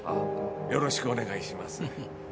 よろしくお願いします。